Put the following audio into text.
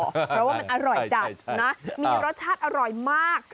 เพราะว่ามันอร่อยจัดนะมีรสชาติอร่อยมาก